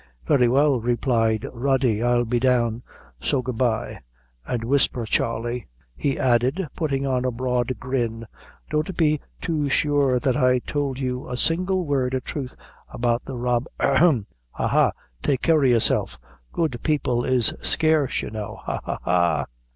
"Very well," replied Rody, "I'll be down, so goodbye; an' whisper, Charley," he added, putting on a broad grin; "don't be too sure that I tould you a single word o' thruth about the rob hem ha, ha! take care of yourself good people is scarce you know ha, ha, ha!"